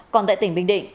còn tại tỉnh bình định